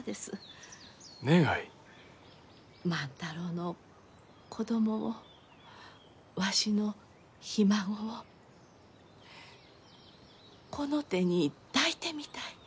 万太郎の子供をわしのひ孫をこの手に抱いてみたい。